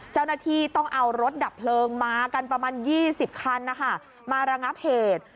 เจ้าหน้าที่ต้องเอารถดับเพลิงมากันประมาณ๒๐คันมาระงับเหตุ